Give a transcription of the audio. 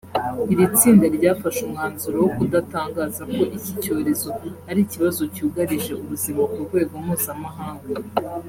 Iri tsinda ryafashe umwanzuro wo kudatangaza ko iki cyorezo ari ikibazo cyugarije ubuzima ku rwego mpuzamahanga